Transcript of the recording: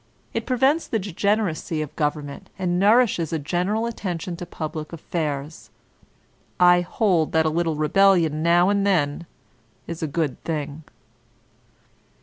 It prevents the degeneracy of government, and nourishes a general attention to public affairs. I hold that a little rebellion now and then is a good thing."